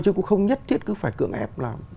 chứ cũng không nhất thiết cứ phải cưỡng ép